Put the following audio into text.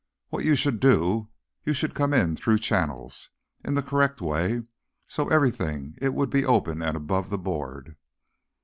What you should do, you should come in through channels, in the correct way, so everything it would be open and above the board."